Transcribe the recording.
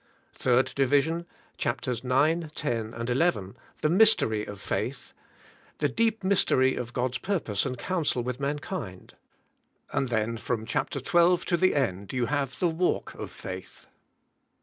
Third division, Chaps. 9, 10 and 11, the mystery of faith; the deep mystery of God's purpose and council with mankind. And then from Chap. 12 to the end you have the walk oj faith.